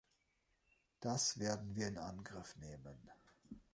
Das werden wir in Angriff nehmen.